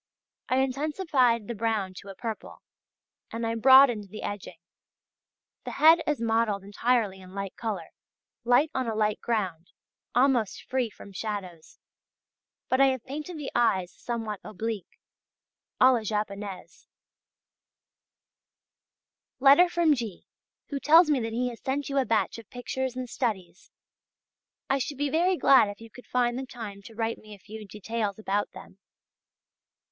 I intensified the brown to a purple, and I broadened the edging. The head is modelled entirely in light colour, light on a light ground, almost free from shadows; but I have painted the eyes somewhat oblique, à la japonaise. Letter from G.... who tells me that he has sent you a batch of pictures and studies. I should be very glad if you could find the time to write me a few details about them.